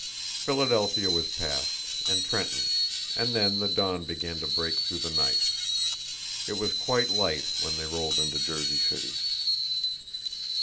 Philadelphia was passed, and Trenton, and then the dawn began to break through the night. It was quite light when they rolled into Jersey City.